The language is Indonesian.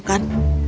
sekarang berikan aku